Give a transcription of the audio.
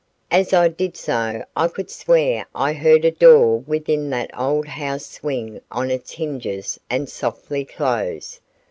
As I did so I could swear I heard a door within that old house swing on its hinges and softly close.